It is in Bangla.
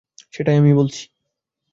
সেটাই আমি বলছি।